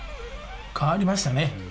変わりましたね。